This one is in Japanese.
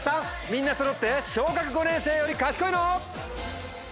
みんなそろって小学５年生より賢いの？